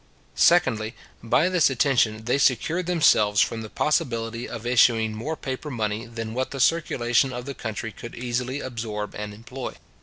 Secondly, by this attention they secured themselves from the possibility of issuing more paper money than what the circulation of the country could easily absorb and employ.